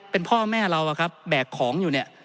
เป็นพ่อแม่เราแบกของอยู่